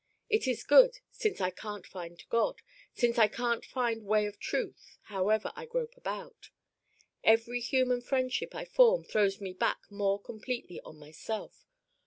It is good since I can't find God, since I can't find way of truth however I grope about. Every human friendship I form throws me back more completely on myself.